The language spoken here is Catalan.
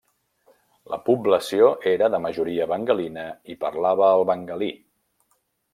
La població era de majoria bengalina i parlava el bengalí.